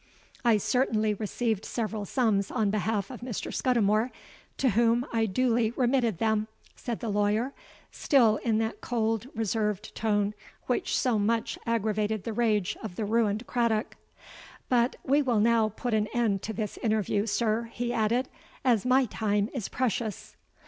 '—'I certainly received several sums on behalf of Mr. Scudimore, to whom I duly remitted them,' said the lawyer, still in that cold, reserved tone which so much aggravated the rage of the ruined Craddock. 'But we will now put an end to this interview, sir,' he added; 'as my time is precious.'